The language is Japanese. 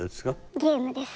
ゲームです。